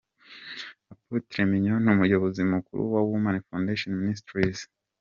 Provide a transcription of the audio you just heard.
Apotre Mignone umuyobozi mukuru wa Women Foundation Ministries.